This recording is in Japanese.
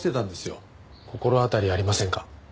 心当たりありませんか？